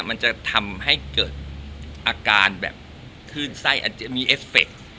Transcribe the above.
มันจะทำให้เกิดอาการแบบขึ้นไส้มีเอฟเฟต